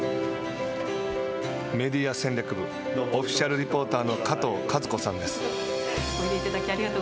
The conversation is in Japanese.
メディア戦略部・オフィシャルリポーターの加藤和子さんです。